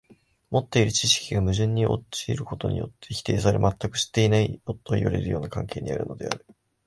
持っている知識が矛盾に陥ることによって否定され、全く知っていないといわれるような関係にあるのである。